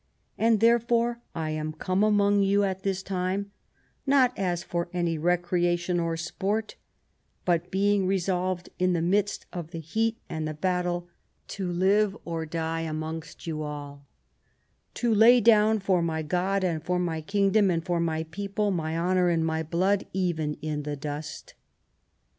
And therefore I am come among yoU at this time, not as for any recreation or sport, but being resolved, in the midst of the heat and the battle, to live or die amongst you all ; to lay down for my God, and for my kingdom, and for my people, my honour and my blood, even in the dust.